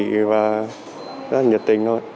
rất là nhiệt tình thôi